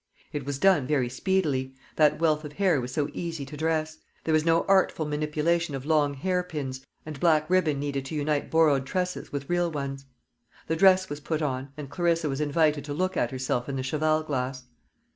It was done very speedily that wealth of hair was so easy to dress; there was no artful manipulation of long hair pins and black ribbon needed to unite borrowed tresses with real ones. The dress was put on, and Clarissa was invited to look at herself in the cheval glass.